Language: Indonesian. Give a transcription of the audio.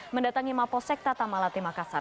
mendatangi maposek tata malate makassar